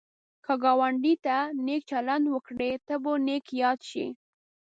که ګاونډي ته نېک چلند وکړې، ته به نېک یاد شي